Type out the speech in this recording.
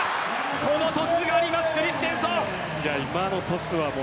このトスがありますクリステンソン。